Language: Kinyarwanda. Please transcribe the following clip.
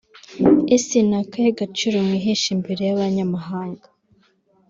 ese ni akahe gaciro mwihesha imbere y’abanyamahanga